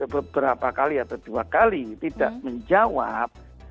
beberapa kali atau dua kali tidak menjawab